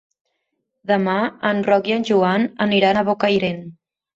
Demà en Roc i en Joan aniran a Bocairent.